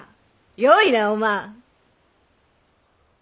よいなお万。